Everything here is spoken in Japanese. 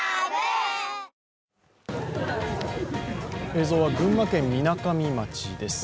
映像は群馬県みなかみ町です。